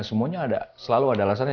semuanya selalu ada alasannya